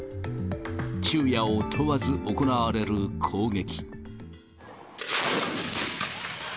昼夜を問わず行われる攻撃。